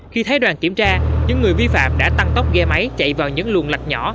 khi thấy đoàn kiểm tra những người vi phạm đã tăng tốc ghe máy chạy vào những luồng lạch nhỏ